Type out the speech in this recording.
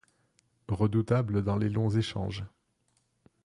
Redoutable dans les longs échanges.